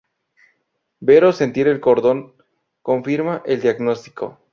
Ver o sentir el cordón confirma el diagnóstico.